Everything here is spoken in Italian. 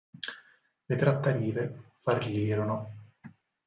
Le trattative fallirono.